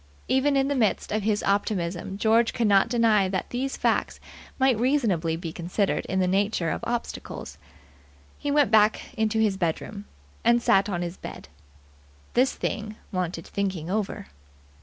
Even in the midst of his optimism George could not deny that these facts might reasonably be considered in the nature of obstacles. He went back into his bedroom, and sat on the bed. This thing wanted thinking over.